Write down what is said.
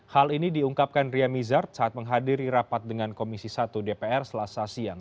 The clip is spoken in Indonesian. hal ini diungkapkan ria mizar saat menghadiri rapat dengan komisi satu dpr selasa siang